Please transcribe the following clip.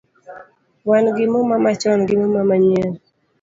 Wan gi muma machon gi muma manyien